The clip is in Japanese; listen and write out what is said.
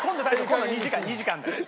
今度は２時間２時間だから。